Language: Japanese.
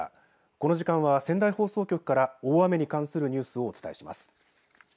この時間は仙台放送局から大雨に関するニュースをお伝えします。